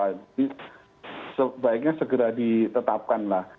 jadi sebaiknya segera ditetapkanlah